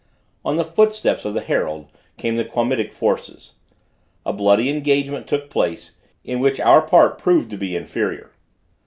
On the footsteps of the herald came the Quamitic forces. A bloody engagement took place, in which our part proved to be inferior.